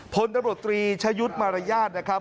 พลตำรวจตีชายุชมารยาชนะครับ